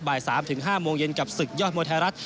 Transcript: บ่าย๓๕โมงเย็นกับศึกยอดมวยไทยรัฐ